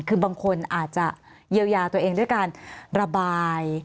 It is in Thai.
คือบางคนอาจจะเยียวยาตัวเองด้วยการระบาย